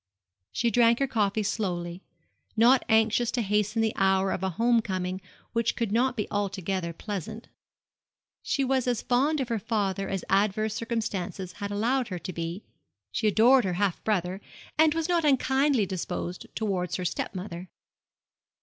She drank her coffee slowly, not anxious to hasten the hour of a home coming which could not be altogether pleasant. She was as fond of her father as adverse circumstances had allowed her to be; she adored her half brother, and was not unkindly disposed towards her step mother.